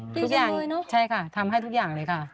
ทุกอย่างเลยเนอะใช่ค่ะทำให้ทุกอย่างเลยค่ะ